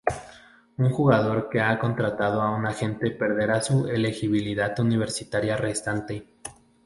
Un jugador que ha contratado a un agente perderá su elegibilidad universitaria restante.